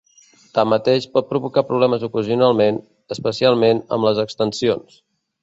Tanmateix, pot provocar problemes ocasionalment, especialment amb les extensions.